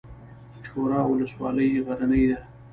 چوره ولسوالۍ غرنۍ ده؟